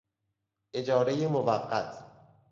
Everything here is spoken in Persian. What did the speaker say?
اجارهی موقت